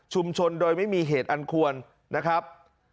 โดยไม่มีเหตุอันควรนะครับ